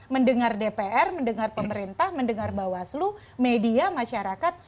mendengar dpr mendengar pemerintah mendengar bawaslu media masyarakat